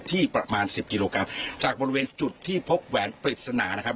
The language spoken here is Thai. ที่ประมาณสิบกิโลกรัมจากบริเวณจุดที่พบแหวนปริศนานะครับ